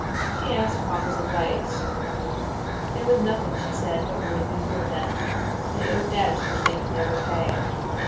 She asked Papa's advice; there was nothing she said but ruin before them. They owed debts which they could never pay.